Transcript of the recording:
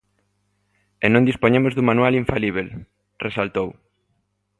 E non dispoñemos dun manual infalíbel, resaltou.